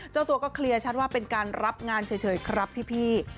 เจ้าตัวก็เคลียร์ชัดว่าเป็นการรับงานเฉยครับพี่